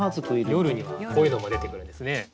夜にはこういうのも出てくるんですね。